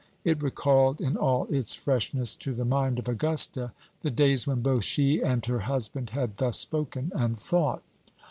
It recalled, in all its freshness, to the mind of Augusta the days when both she and her husband had thus spoken and thought.